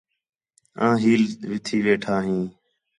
آں ہیل تھی ویٹھا ہیں